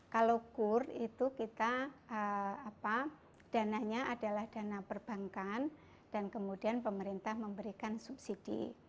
kalau kur itu kita dananya adalah dana perbankan dan kemudian pemerintah memberikan subsidi